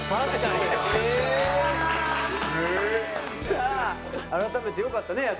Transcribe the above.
さあ改めてよかったね屋敷さん。